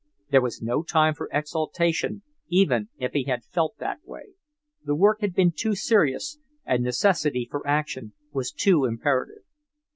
There was no time for exultation, even if he had felt that way. The work had been too serious, and necessity for action was too imperative.